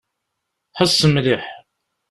Ḥess mliḥ.